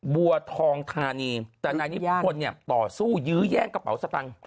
บัวทองธานีแต่นายนิพนธ์เนี่ยต่อสู้ยื้อแย่งกระเป๋าสตังค์